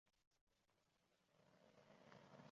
hovli-joy, bola-chaqa tashvishlari